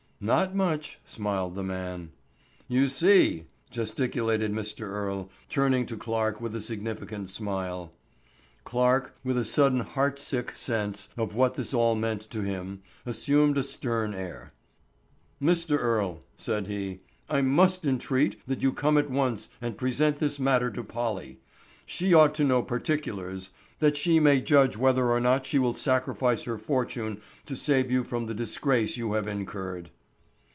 "Not much," smiled the man. "You see!" gesticulated Mr. Earle, turning to Clarke with a significant smile. Clarke, with a sudden heartsick sense of what this all meant to him, assumed a stern air. "Mr. Earle," said he, "I must entreat that you come at once and present this matter to Polly. She ought to know particulars, that she may judge whether or not she will sacrifice her fortune to save you from the disgrace you have incurred."